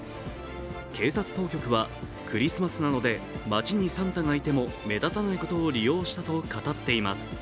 警察当局はクリスマスなので街にサンタがいても目立たないことを利用したと語っています。